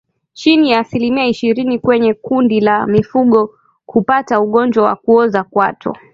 Chini ya asilimia ishirini kwenye kundi la mifugo hupata ugonjwa wa kuoza kwato